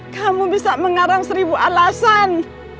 kamu bisa mengarang seribu alasan